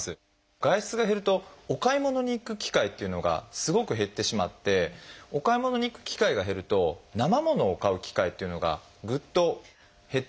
外出が減るとお買い物に行く機会というのがすごく減ってしまってお買い物に行く機会が減るとなま物を買う機会というのがぐっと減ってきたと。